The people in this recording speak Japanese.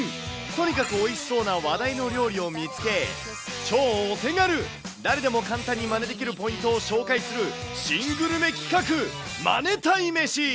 とにかくおいしそうな話題の料理を見つけ、超お手軽、誰でも簡単にまねできるポイントを紹介する新グルメ企画、マネたい飯。